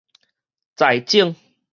在種